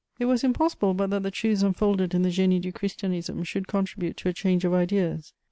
] It was impossible but that the truths unfolded in the Génie du Christianisme should contribute to a change of ideas.